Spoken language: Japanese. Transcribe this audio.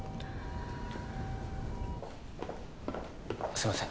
すいません